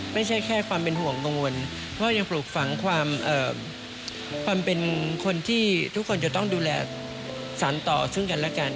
ไม่ใช่แค่ความเป็นห่วงกังวลเพราะยังปลูกฝังความเป็นคนที่ทุกคนจะต้องดูแลสารต่อซึ่งกันและกัน